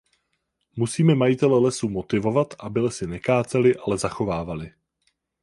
Musíme majitele lesů motivovat, aby lesy nekáceli, ale zachovávali.